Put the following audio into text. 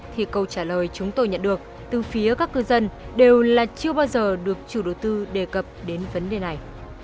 thì câu trả lời chúng tôi nhận được từ phía các cư dân đều là chưa bao giờ được chủ đầu tư đề cập đến vấn đề này